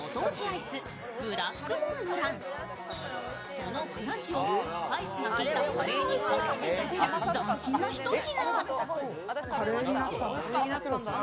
そのクランチをスパイスが効いたカレーにかけて食べる斬新な一品。